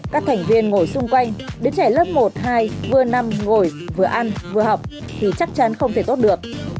các thành viên ngồi xung quanh đứa trẻ lớp một hai vừa nằm ngồi vừa ăn vừa học thì chắc chắn không thể tốt được